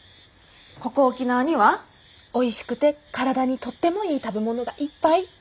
ここ沖縄にはおいしくて体にとってもいい食べ物がいっぱい。